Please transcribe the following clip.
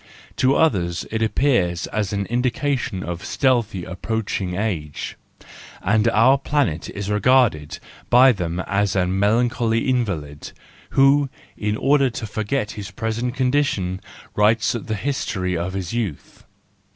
To others it appears as the indication of stealthily approaching age, and our planet is regarded by them as a melancholy invalid, who, in order to forget his present condition, writes the history of his youth.